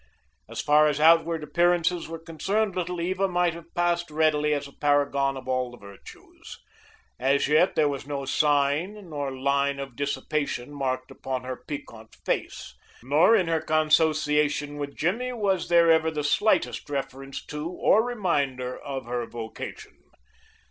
As far as outward appearances were concerned Little Eva might have passed readily as a paragon of all the virtues. As yet, there was no sign nor line of dissipation marked upon her piquant face, nor in her consociation with Jimmy was there ever the slightest reference to or reminder of her vocation.